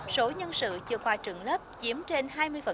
số nhân sự chưa qua trường lớp chiếm trên hai mươi